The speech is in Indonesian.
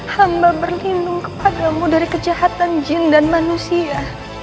hamba berlindung kepadamu dari kejahatan jin dan manusia